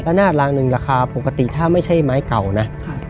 หลานาดหลาง๑ราคาปกติถ้าไม่ใช่ไม้เก่านะ